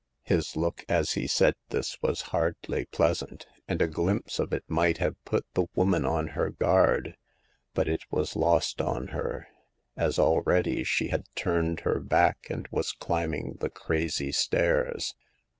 His look as he said this was hardly pleasant, and a glimpse of it might have put the woman on her guard ; but it was lost on her, as already she had turned her back, and was climbing the crazy stairs.